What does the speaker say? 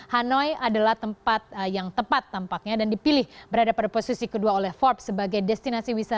hanoi adalah tempat yang tepat tampaknya dan dipilih berada pada posisi kedua oleh forbes sebagai destinasi wisata